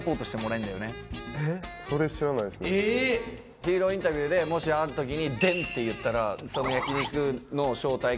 ヒーローインタビューでもしある時にでんって言ったら焼肉の招待券